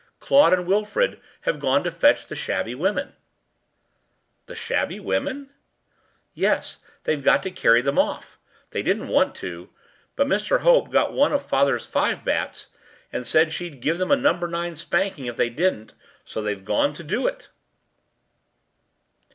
Claude and Wilfrid have gone to fetch the shabby women.” “The shabby women?” “Yes, they’ve got to carry them off. They didn’t want to, but Miss Hope got one of father’s fives bats and said she’d give them a number nine spanking if they didn’t, so they’ve gone to do it.